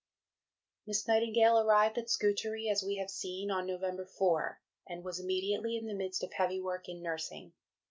Miss Nightingale arrived at Scutari, as we have seen, on November 4, and was immediately in the midst of heavy work in nursing.